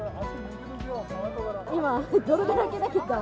今泥だらけだけど。